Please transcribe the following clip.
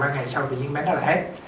ngày sau tự nhiên em bé nó là hết